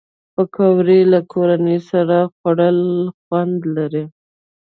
پکورې له کورنۍ سره خوړل خوند لري